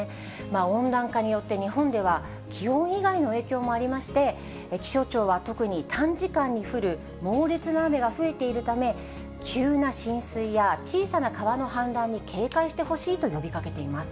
温暖化によって、日本では気温以外の影響もありまして、気象庁は特に短時間に降る猛烈な雨が増えているため、急な浸水や小さな川の氾濫に警戒してほしいと呼びかけています。